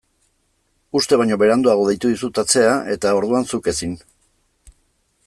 Uste baino beranduago deitu dizut atzera eta orduan zuk ezin.